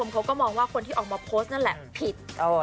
โพสต์นั่นแหละผิด